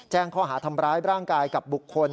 ข้อหาทำร้ายร่างกายกับบุคคล